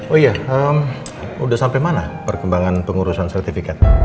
oh iya udah sampai mana perkembangan pengurusan sertifikat